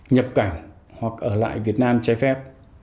nhập cảnh hoặc ở lại việt nam trái phép